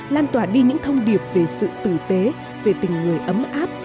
lan tỏa đi những thông điệp về sự tử tế về tình người ấm áp